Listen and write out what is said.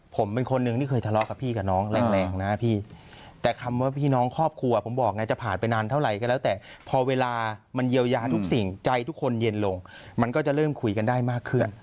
ผมเป็นคนหนึ่งที่เคยทะเลาะกับพี่กับน้องแรงแรงนะพี่แต่คำว่าพี่น้องครอบครัวผมบอกไงจะผ่านไปนานเท่าไหร่ก็แล้วแต่พอเวลามันเยียวยาทุกสิ่งใจทุกคนเย็นลงมันก็จะเริ่มคุยกันได้มากขึ้น